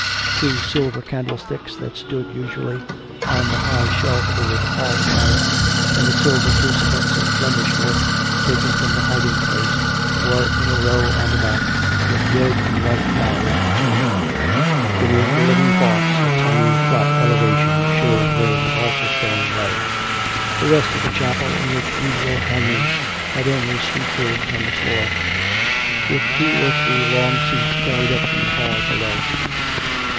Two silver candlesticks, that stood usually on the high shelf over the hall fire, and a silver crucifix of Flemish work, taken from the hiding place, were in a row on the back, with red and white flowers between. Beneath the linen COME RACK! COME ROPE! 389 cloths a tiny flat elevation showed where the altar stone lay. The rest of the chapel, in its usual hangings, had only sweet herbs on the floor; with two or three long seats carried up from the hall below.